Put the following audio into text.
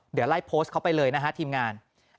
เดี๋ยวไล่โพสต์เขาไปเลยนะฮะทีมงาน